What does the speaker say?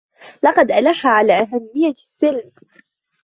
لقد ألح على أهمية السلم.